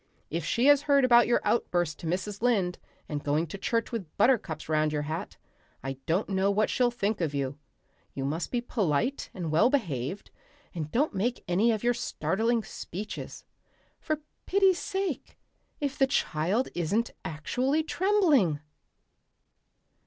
If she has heard about your outburst to Mrs. Lynde and going to church with buttercups round your hat I don't know what she'll think of you. You must be polite and well behaved, and don't make any of your startling speeches. For pity's sake, if the child isn't actually trembling!"